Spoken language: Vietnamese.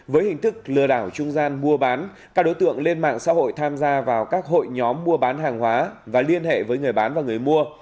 với hình thức lừa đảo trung gian mua bán các đối tượng lên mạng xã hội tham gia vào các hội nhóm mua bán hàng hóa và liên hệ với người bán và người mua